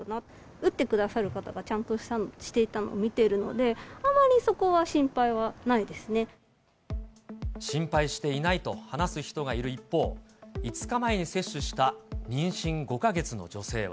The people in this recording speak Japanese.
打ってくださる方がちゃんとしていたのを見てるので、あまりそこ心配していないと話す人がいる一方、５日前に接種した妊娠５か月の女性は。